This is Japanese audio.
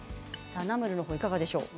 ナムルはいかがでしょう？